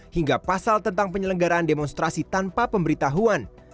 hingga pasal tentang penyelenggaraan demonstrasi tanpa pemberitahuan